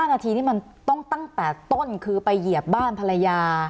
นาทีนี้มันต้องตั้งแต่ต้นคือไปเหยียบบ้านภรรยา